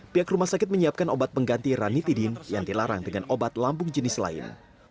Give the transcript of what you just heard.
pihak rumah sakit menyiapkan obat pengganti ranitidin yang dilarang dengan obat lambung jenis lain